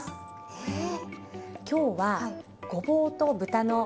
えっ？